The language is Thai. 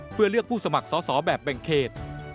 เพื่อเลือกผู้สมัครสอสอแบบแบ่งเขต